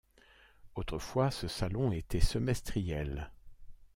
Autrefois, ce salon était semestriel.